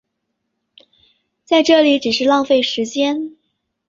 在这里只是浪费时间